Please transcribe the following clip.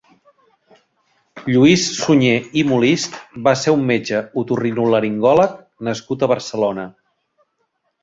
Lluís Suñé i Molist va ser un metge otorinolaringòleg nascut a Barcelona.